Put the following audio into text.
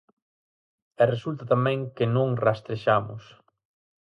E resulta tamén que non rastrexamos.